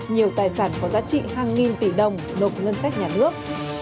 nhiều tài sản có giá trị hàng nghìn tỷ đồng nộp ngân sách nhà nước